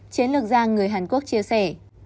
chiến lược gia người hàn quốc chia sẻ